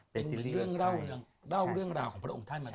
เป็นเรื่องเล่าเรื่องราวของพระองค์ท่านมาก่อน